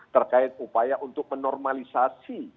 terkait upaya untuk menormalisasi